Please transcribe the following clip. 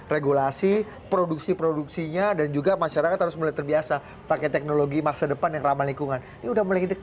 regulasi produksi produksinya dan juga masyarakat harus mulai terbiasa pakai teknologi masa depan yang ramah lingkungan ini udah mulai dekat nih bi